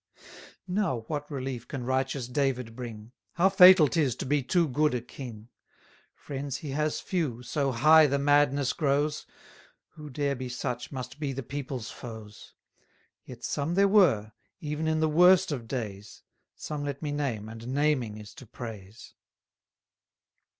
810 Now what relief can righteous David bring? How fatal 'tis to be too good a king! Friends he has few, so high the madness grows; Who dare be such must be the people's foes. Yet some there were, even in the worst of days; Some let me name, and naming is to praise.